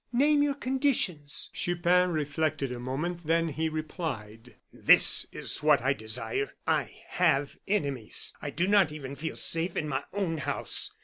Name your conditions." Chupin reflected a moment, then he replied: "This is what I desire. I have enemies I do not even feel safe in my own house.